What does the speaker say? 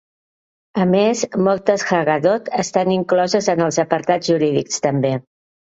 A més, moltes haggadot estan incloses en els apartats jurídics també.